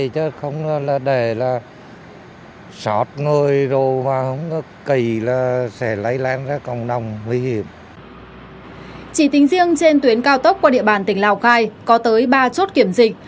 chỉ tính riêng trên tuyến cao tốc qua địa bàn tỉnh lào cai có tới ba chốt kiểm dịch